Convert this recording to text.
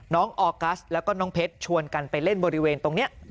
ออกัสแล้วก็น้องเพชรชวนกันไปเล่นบริเวณตรงนี้